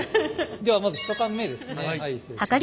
ではまず１缶目ですね。